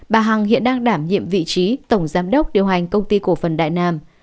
bà hằng hiện đang đảm nhiệm vị trí tổng giám đốc điều hành công ty cổ phần đại nam